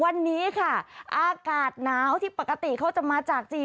วันนี้ค่ะอากาศหนาวที่ปกติเขาจะมาจากจีน